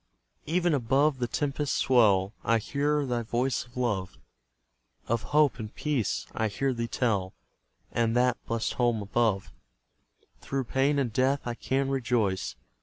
Even above the tempest's swell I hear thy voice of love, Of hope and peace, I hear thee tell, And that blest home above; Through pain and death I can rejoice.